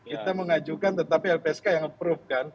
kita mengajukan tetapi lpsk yang approve kan